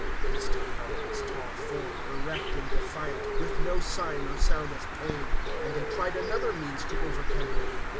He still held his tall form erect and defiant, with no sign or sound of pain; and they tried another means to overcome him.